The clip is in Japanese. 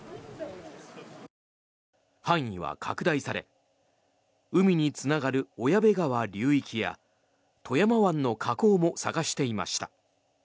範囲は拡大され海につながる小矢部川流域や富山湾の河口も捜していました。